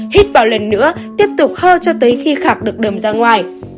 hít vào lần nữa tiếp tục ho cho tới khi khạc được đờm ra ngoài